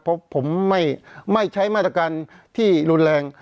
เพราะผมไม่ใช้มาตรการที่รุนแรง